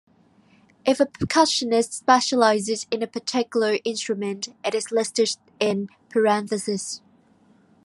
If a percussionist specializes in a particular instrument, it is listed in parentheses.